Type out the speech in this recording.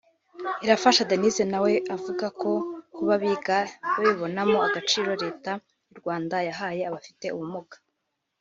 Irafasha Denyse nawe avuga ko kuba biga babibonamo agaciro Leta y’u Rwanda yahaye abafite ubumuga